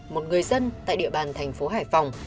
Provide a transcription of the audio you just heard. một người dân tại địa bàn thành phố hải phòng